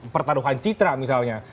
pertaruhan citra misalnya